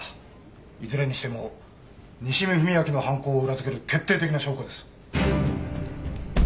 いずれにしても西見文明の犯行を裏付ける決定的な証拠です。